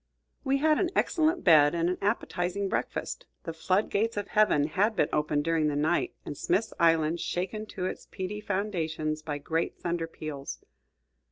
We had an excellent bed and an appetizing breakfast. The flood gates of heaven had been opened during the night, and Smith's Island shaken to its peaty foundations by great thunder peals.